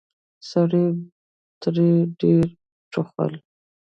سړي به تر ډيرو ټوخل.